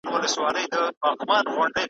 هغه ورځ خبره ورانه د کاروان سي ,